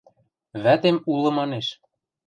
Вӓтем улы манеш.